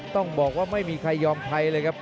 ต้องบอกว่าไม่มีใครยอมใครเลยครับ